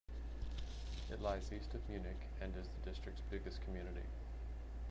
It lies east of Munich and is the district's biggest community.